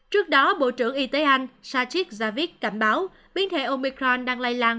trước đó bộ trưởng y tế anh sachit javid cảnh báo biến thể omicron đang lay lan